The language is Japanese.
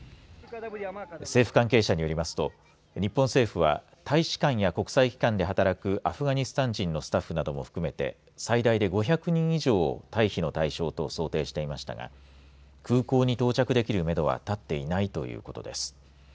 政府関係者によりますと日本政府は大使館や国際機関で働くアフガニスタン人のスタッフなども含めて最大で５００人以上を退避の対象と想定していましたが空港に到着できるめどは立っていないということです。